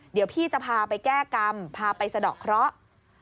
เดี๋ยวพี่จะพาไปแก้กรรมพาไปสะดอกเคราะห์